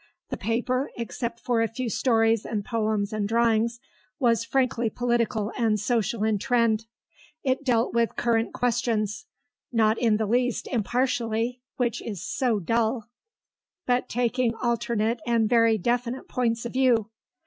The paper, except for a few stories and poems and drawings, was frankly political and social in trend; it dealt with current questions, not in the least impartially (which is so dull), but taking alternate and very definite points of view.